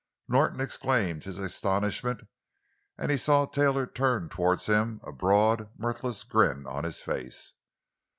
Norton exclaimed his astonishment, and he saw Taylor turn toward him, a broad, mirthless grin on his face.